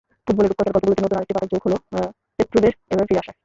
ফুটবলের রূপকথার গল্পগুলোতে নতুন আরেকটি পাতা যোগ হলো পেত্রোভের এভাবে ফিরে আসায়।